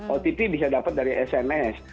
otp bisa dapat dari sms